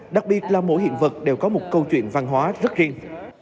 đặc biệt là mỗi hiện vật đều có một câu chuyện văn hóa rất riêng